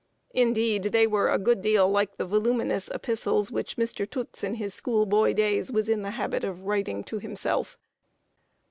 Indeed, they were a good deal like the voluminous epistles which Mr. Toots, in his school boy days, was in the habit of writing to himself.